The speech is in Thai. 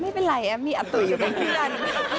ไม่เป็นไรมีอาตุ๋ยอยู่เป็นเพื่อน